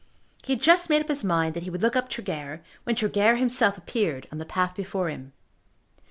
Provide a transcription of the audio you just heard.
He had just made up his mind that he would look up Tregear, when Tregear himself appeared on the path before him.